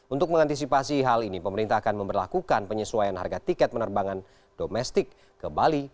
untuk mengantisipasi hal ini pemerintah akan memperlakukan penyesuaian harga tiket penerbangan domestik ke bali